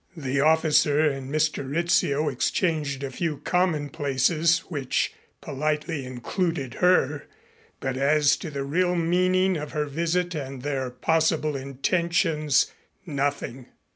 The officer and Mr. Rizzio exchanged a few commonplaces which politely included her, but as to the real meaning of her visit and their possible intentions nothing.